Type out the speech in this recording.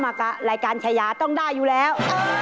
แปลว่ารายการไขยาต้องได้อยู่แล้ว